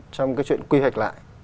trong cái chuyện quy hoạch lại